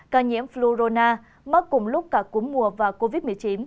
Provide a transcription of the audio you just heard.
ca nhiễm flurona mắc cùng lúc cả cúm mùa và covid một mươi chín